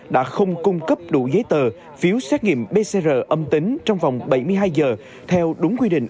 đã không cung cấp đủ giấy tờ phiếu xét nghiệm pcr âm tính trong vòng bảy mươi hai giờ theo đúng quy định